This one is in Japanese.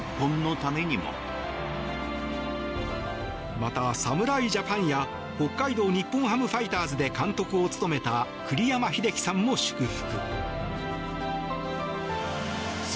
また、侍ジャパンや北海道日本ハムファイターズで監督を務めた栗山英樹さんも祝福。